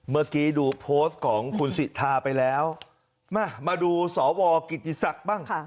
เมื่อกี้ดูโพสต์ของคุณสิทธาไปแล้วมาดูสวกิติศักดิ์บ้าง